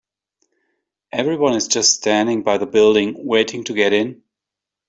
Everyone is just standing by the building, waiting to get in.